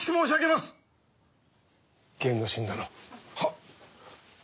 はっ。